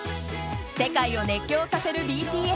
世界を熱狂させるＢＴＳ。